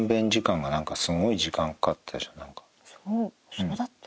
そうだった？